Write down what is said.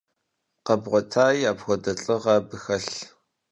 Къэбгъуэтаи, апхуэдэ лӀыгъэ абы хэлъ?